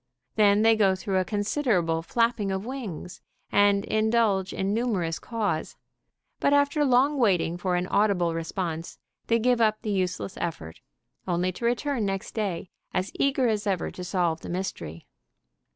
Then they go through a considerable flapping of wings and indulge in numerous caws, but after long waiting for an audible response they give up the useless effort, only to return next day as eager as ever to solve the mystery.